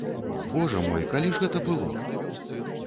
Божа мой, калі ж гэта было!